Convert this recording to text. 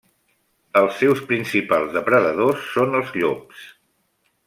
Els seus principals depredadors són els llops.